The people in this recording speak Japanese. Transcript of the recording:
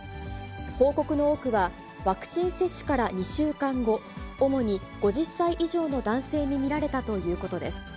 報告の多くは、ワクチン接種から２週間後、主に５０歳以上の男性に見られたということです。